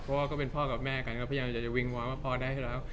เพราะว่าก็เป็นพ่อกับแม่กันก็พยายามจะวิงว้าว่าพอได้อยู่แล้ว